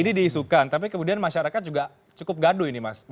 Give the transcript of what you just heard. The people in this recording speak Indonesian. ini diisukan tapi kemudian masyarakat juga cukup gaduh ini mas